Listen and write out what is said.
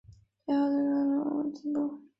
吉打最高山日莱峰就位于莪仑西部。